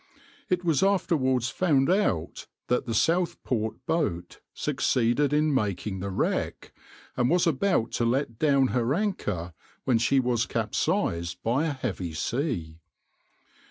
It was afterwards found out that the Southport boat succeeded in making the wreck, and was about to let down her anchor when she was capsized by a heavy sea.